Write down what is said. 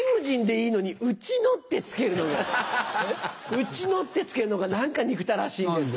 「うちの」って付けるのが何か憎たらしいんだよね。